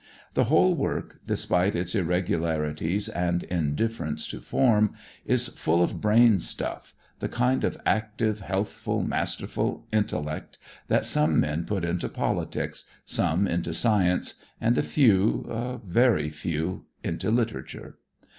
The whole work, despite its irregularities and indifference to form, is full of brain stuff, the kind of active, healthful, masterful intellect that some men put into politics, some into science and a few, a very few, into literature.